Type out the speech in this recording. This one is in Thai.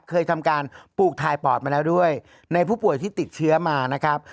เคยทำการปลูกถ่ายปอดมาแล้วด้วยในผู้ป่วยที่ติดเชื้อมานะครับ